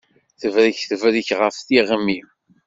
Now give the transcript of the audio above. Tebrek tebrek ɣef tiɣmi.